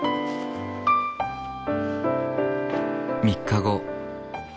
３日後。